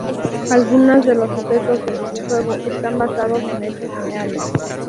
Algunas de los sucesos del videojuego están basados en hechos reales.